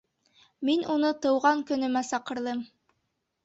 Мин уны тыуған көнөмә саҡырҙым.